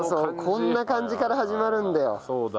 こんな感じから始まるんだよ。